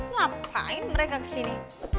ngapain mereka kesini